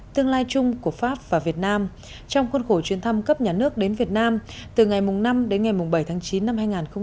tương lai chung của pháp và việt nam trong khuôn khổ chuyến thăm cấp nhà nước đến việt nam từ ngày năm đến ngày bảy tháng chín năm hai nghìn hai mươi ba